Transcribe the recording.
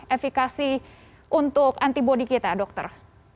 efekasi untuk antibody kita dokter